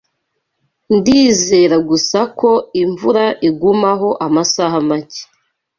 Ndizera gusa ko imvura igumaho amasaha make.